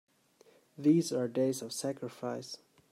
These are days of sacrifice!